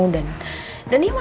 dan dia masuk akal